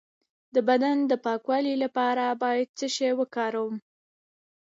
د بدن د پاکوالي لپاره باید څه شی وکاروم؟